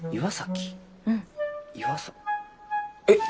えっ！？